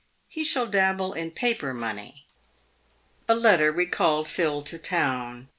He shall dabble in paper money." A letter recalled Phil to town.